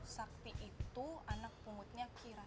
sakti itu anak umutnya kiratus